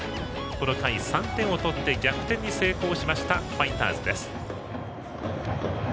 この回３点を取って逆転に成功したファイターズです。